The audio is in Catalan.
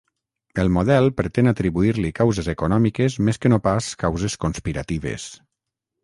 El model pretén atribuir-li causes econòmiques més que no pas causes conspiratives.